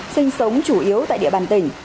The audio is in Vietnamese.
sinh sống chủ yếu tại địa bàn tỉnh